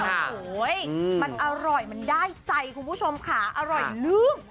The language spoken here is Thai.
โอ้โหมันอร่อยมันได้ใจคุณผู้ชมค่ะอร่อยลื้ม